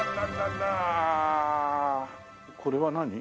これは何？